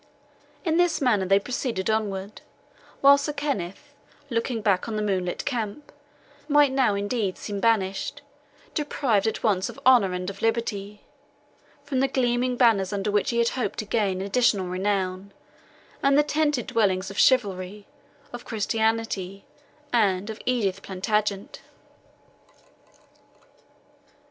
In this manner they proceeded onward; while Sir Kenneth, looking back on the moonlit camp, might now indeed seem banished, deprived at once of honour and of liberty, from the glimmering banners under which he had hoped to gain additional renown, and the tented dwellings of chivalry, of Christianity, and of Edith Plantagenet.